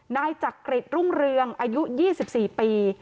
นายจักริจรุ่งเรืองอายุ๒๔ปี